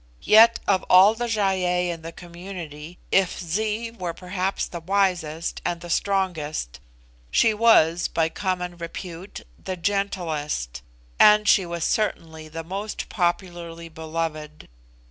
Yet of all the Gy ei in the community, if Zee were perhaps the wisest and the strongest, she was, by common repute, the gentlest, and she was certainly the most popularly beloved.